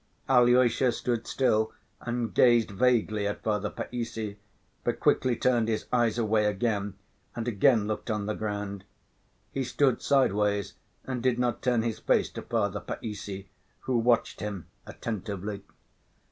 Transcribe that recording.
Alyosha stood still and gazed vaguely at Father Païssy, but quickly turned his eyes away again and again looked on the ground. He stood sideways and did not turn his face to Father Païssy, who watched him attentively.